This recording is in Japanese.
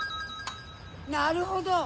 なるほど！